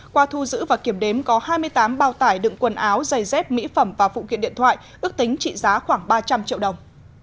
qua thu giữ và kiểm đếm có hai mươi tám bao tải đựng quần áo giày dép mỹ phẩm và phụ kiện điện thoại ước tính trị giá khoảng ba trăm linh triệu đồng